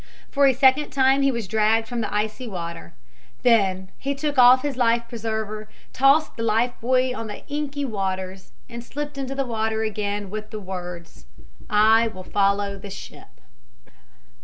For a second time he was dragged from the icy water. Then he took off his life preserver, tossed the life buoy on the inky waters, and slipped into the water again with the words: "I will follow the ship."